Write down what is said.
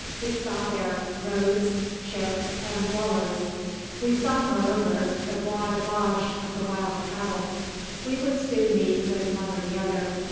We saw their "roads," "chips," and "wallows." We saw, moreover, the bois de vache of the wild cattle. We would soon meet with one or the other.